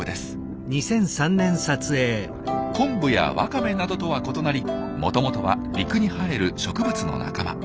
コンブやワカメなどとは異なりもともとは陸に生える植物の仲間。